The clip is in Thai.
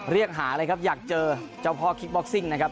เรียกหาเลยครับอยากเจอเจ้าพ่อคิกบ็อกซิ่งนะครับ